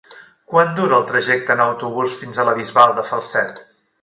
Quant dura el trajecte en autobús fins a la Bisbal de Falset?